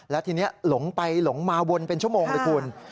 แล้วทีนี้หลงไปวนเป็นชั่วโมงเลยคุณ